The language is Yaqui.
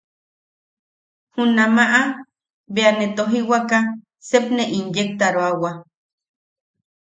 Junamaʼa bea ne tojiwaka sep ne inyektaroawa.